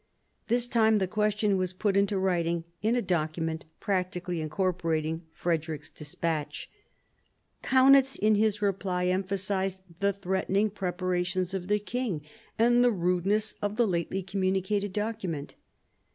This time the question was put into writing, in a document practically incorporating Frederick's despatch. Kaunitz in his reply emphasised the threatening preparations of the king, and the rudeness of the lately communicated document.